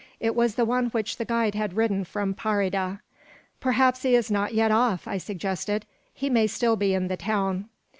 It was the one which the guide had ridden from Parida. "Perhaps he is not off yet," I suggested. "He may still be in the town."